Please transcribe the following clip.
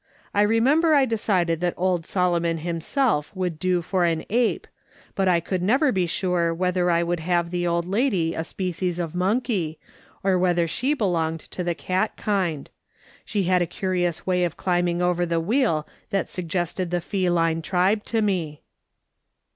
I remember I decided that old Solomon himself would do for an ape, but I could never be sure whether I would have the old lady a species of monkey, or whether she belonged to the cat kind ; she had a curious way of climbing over the wheel that suggested the feline tribe to me."